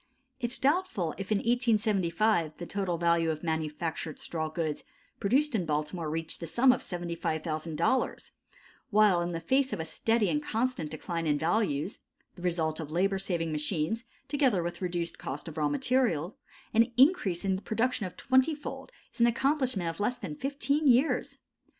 It is doubtful if in 1875 the total value of manufactured straw goods produced in Baltimore reached the sum of $75,000, while in the face of a steady and constant decline in values the result of labor saving machines, together with reduced cost of raw material an increase in production of twenty fold is an accomplishment of less than fifteen years.